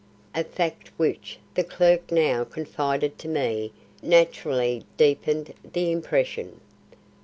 A fact which the clerk now confided to me naturally deepened the impression.